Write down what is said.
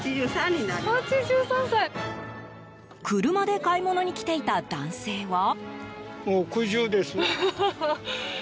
車で買い物に来ていた男性は？